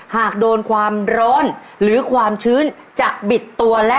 หากโดนความร้อนหรือความชื้นจะบิดตัวและ